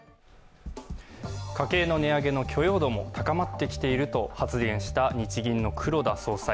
家計の値上げの許容度も高まってきていると発言した日銀の黒田総裁。